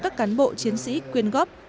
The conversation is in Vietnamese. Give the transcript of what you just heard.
các cán bộ chiến sĩ quyên góp